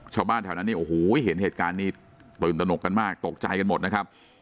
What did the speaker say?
ชาวบ้านแถวนั้นเนี่ยโอ้โหเห็นเหตุการณ์นี้ตื่นตนกกันมากตกใจกันหมดนะครับ